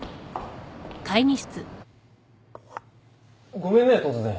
ごめんね突然。